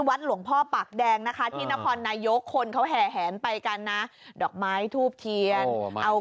วัดหลวงพ่อปากแดงนะคะที่นครนายกคนเขาแห่แหนไปกันนะดอกไม้ทูบเทียนเอา